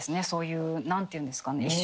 そういう何て言うんですかね